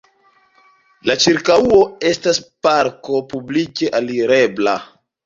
La ĉirkaŭo estas parko publike alirebla.